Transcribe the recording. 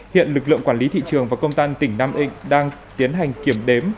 hiện lực lượng quản lý thị trường và công an tỉnh nam định đang tiến hành kiểm đếm